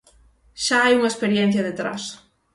Xa hai unha experiencia detrás.